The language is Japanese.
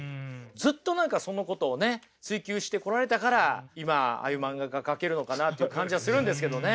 ずっと何かそのことをね追求してこられたから今ああいう漫画が描けるのかなっていう感じはするんですけどね。